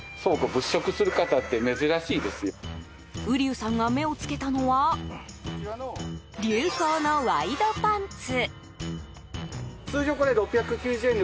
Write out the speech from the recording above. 瓜生さんが目を付けたのは流行のワイドパンツ。